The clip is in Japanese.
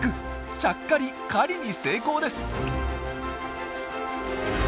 ちゃっかり狩りに成功です！